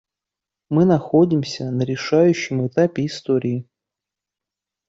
Мы находимся на решающем этапе истории.